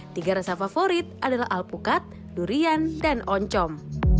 tiga rasa favorit adalah alpukat durian dan oncom